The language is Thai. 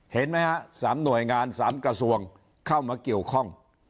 เห็นไหมฮะ๓หน่วยงาน๓กระทรวงเข้ามาเกี่ยวข้อง